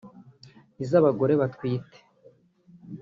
iz’abagore batwite